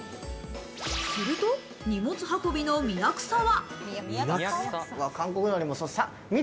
すると、荷物運びの宮草は。